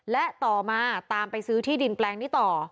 และต่อมาตามไปซื้อที่ดินแปลงนี้ต่อ